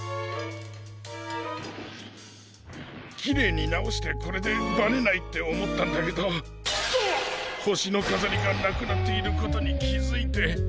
きれいになおしてこれでバレないっておもったんだけどほしのかざりがなくなっていることにきづいて。